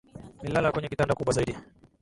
Nililala kwenye kitanda kubwa zaidi